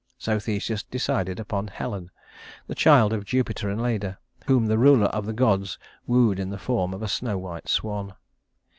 So Theseus decided upon Helen, the child of Jupiter and Leda whom the ruler of the gods wooed in the form of a snow white swan.